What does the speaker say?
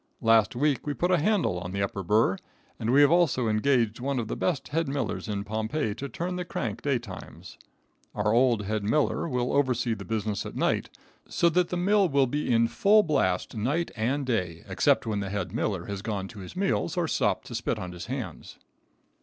Last week we put a handle in the upper burr, and we have also engaged one of the best head millers in Pompeii to turn the crank day times. Our old head miller will oversee the business at night, so that the mill will be in full blast night and day, except when the head miller has gone to his meals or stopped to spit on his hands.